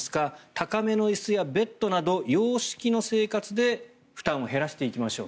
高めの椅子やベッドなど洋式の生活で負担を減らしていきましょう。